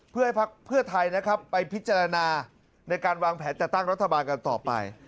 เพื่อให้พักเพื่อไทยนะครับไปพิจารณาในการวางแผนจัดตั้งรัฐบาลกันต่อไป